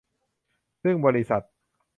ซึ่งบริษัท